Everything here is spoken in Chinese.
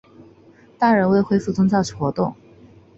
但仍未恢复宗教活动。